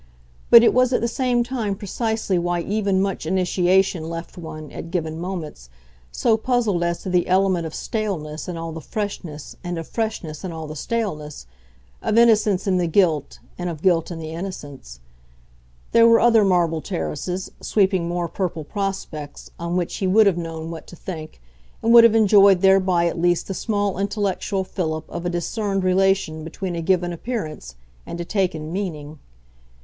But it was at the same time precisely why even much initiation left one, at given moments, so puzzled as to the element of staleness in all the freshness and of freshness in all the staleness, of innocence in the guilt and of guilt in the innocence. There were other marble terraces, sweeping more purple prospects, on which he would have known what to think, and would have enjoyed thereby at least the small intellectual fillip of a discerned relation between a given appearance and a taken meaning.